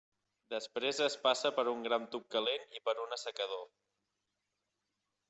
Després es passa per un gran tub calent i per un assecador.